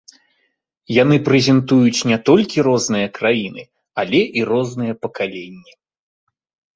Яны прэзентуюць не толькі розныя краіны, але і розныя пакаленні.